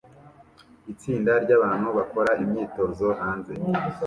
Itsinda ryabantu bakora imyitozo hanze